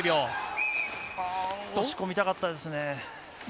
押し込みたかったですね。